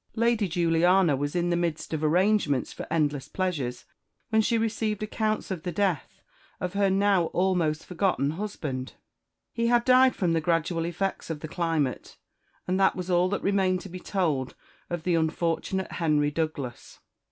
Lady Juliana was in the midst of arrangements for endless pleasures, when she received accounts of the death of her now almost forgotten husband! He had died from the gradual effects of the climate, and that was all that remained to be told of the unfortunate Henry Douglas!